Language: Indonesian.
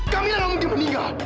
kamila gak mungkin meninggal